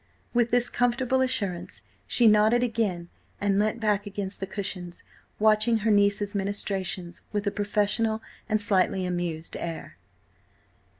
With this comfortable assurance, she nodded again and leant back against the cushions, watching her niece's ministrations with a professional and slightly amused air.